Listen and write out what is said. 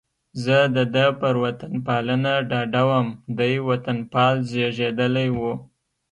زه د ده پر وطنپالنه ډاډه وم، دی وطنپال زېږېدلی و.